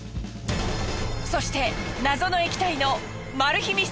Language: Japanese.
そして謎の液体のマル秘